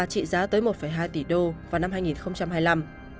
trị giá tới một hai tỷ đô vào năm hai nghìn hai mươi năm